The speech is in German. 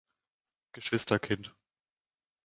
Geschwister Kind“.